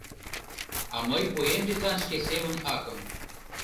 А мый пуэм тидлан шке семын акым.